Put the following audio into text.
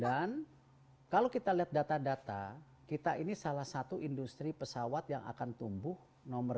dan kalau kita lihat data data kita ini salah satu industri pesawat yang akan tumbuh nomor dua